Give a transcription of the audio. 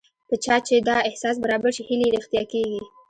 په چا چې دا احساس برابر شي هیلې یې رښتیا کېږي